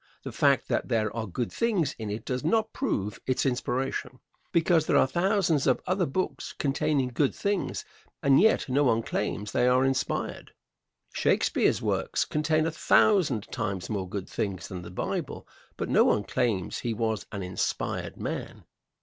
The fact that there are good things in it does not prove its inspiration, because there are thousands of other books containing good things, and yet no one claims they are inspired. Shakespeare's works contain a thousand times more good things than the Bible, but no one claims he was an inspired man.